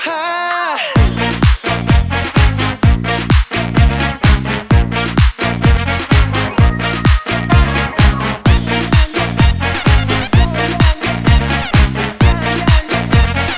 อะไร